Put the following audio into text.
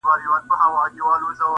زۀ څۀ وکړم یاره زړۀ مې صبر نۀ کړي